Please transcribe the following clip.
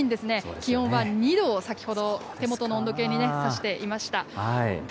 気温は２度を先ほど、手元の温度計に、さしていました。